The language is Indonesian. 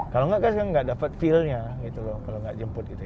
kalau enggak kan saya gak dapat feelnya gitu loh kalau gak jemput gitu ya